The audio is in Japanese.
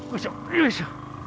よいしょ！